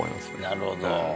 なるほど。